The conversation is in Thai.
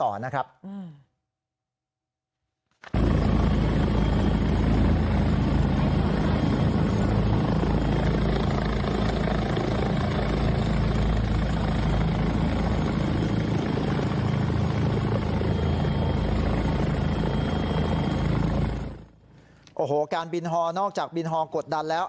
โอ้โหการบินฮอนอกจากบินฮอกดดันแล้ว